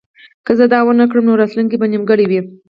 که زه دا ونه کړم نو راتلونکی به نیمګړی وي